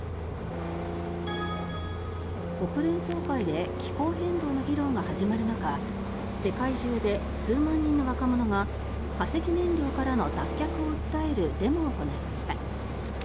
国連総会で気候変動の議論が始まる中世界中で数万人の若者が化石燃料からの脱却を訴えるデモを行いました。